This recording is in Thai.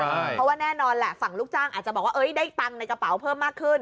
เพราะว่าแน่นอนแหละฝั่งลูกจ้างอาจจะบอกว่าได้ตังค์ในกระเป๋าเพิ่มมากขึ้น